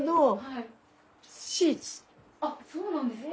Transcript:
あっそうなんですね。